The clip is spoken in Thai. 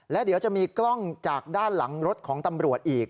และเดี๋ยวจะมีกล้องจากด้านหลังรถของตำรวจอีก